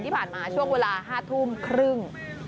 ที่ผ่านมาช่วงเวลา๕ทุ่มครึ่ง